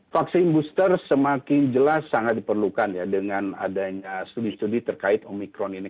vaksin booster semakin jelas sangat diperlukan ya dengan adanya studi studi terkait omikron ini